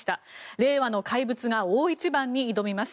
令和の怪物が大一番に挑みます。